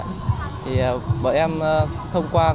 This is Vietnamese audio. thì bọn em thông qua môi trường